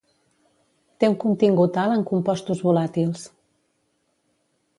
Té un contingut alt en compostos volàtils.